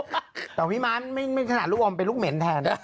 แต่แค่พี่มาทย์ใช้ลูกอมค่าเท่านั้นเป็นลูกเหม็น